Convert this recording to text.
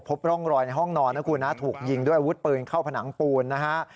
พบร่องรอยในห้องนอนนะคุณนะถูกยิงด้วยอาวุธปืนเข้าผนังปูนนะฮะ